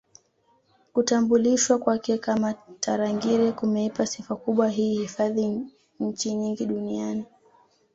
Kutambulishwa kwake kama Tarangire kumeipa sifa kubwa hii hifadhi nchi nyingi Duniani